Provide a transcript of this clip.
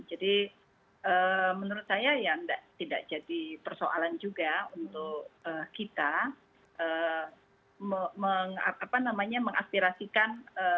menurut saya ya tidak jadi persoalan juga untuk kita mengaspirasikan